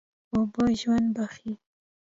اوبه ژوند بښي.